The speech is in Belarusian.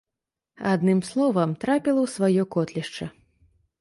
Адным словам, трапіла ў сваё котлішча.